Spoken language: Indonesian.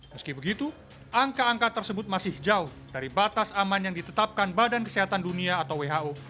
meski begitu angka angka tersebut masih jauh dari batas aman yang ditetapkan badan kesehatan dunia atau who